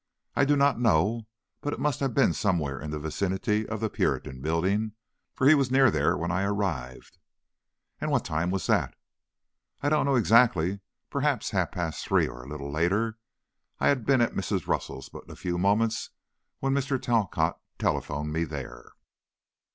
"I do not know, but it must have been somewhere in the vicinity of the Puritan Building, for he was near there when I arrived." "At what time was that?" "I don't know exactly, perhaps half past three or a little later. I had been at Mrs. Russell's but a few moments when Mr. Talcott telephoned me there."